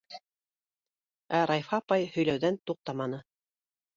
Ә Рәйфә апай һөйләүҙән туҡтаманы: